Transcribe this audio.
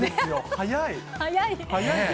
早いです。